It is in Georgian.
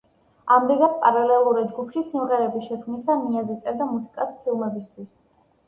ამრიგად, პარალელურად ჯგუფში სიმღერების შექმნისა, ნიაზი წერდა მუსიკას ფილმებისთვის.